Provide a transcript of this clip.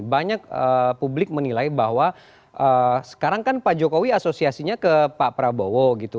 banyak publik menilai bahwa sekarang kan pak jokowi asosiasinya ke pak prabowo gitu